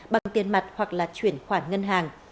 bằng tiền mặt hoặc là chuyển khoản ngân hàng